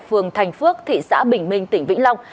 phường thành phước thị xã bình minh tỉnh vĩnh long